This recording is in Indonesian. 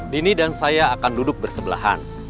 dini dan saya akan duduk bersebelahan